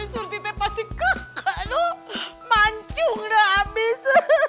nanti pasti kakak lo mancung dah abis